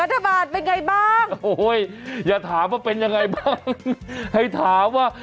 อัศบาทเป็นไงบ้างว้ายอย่าถามว่า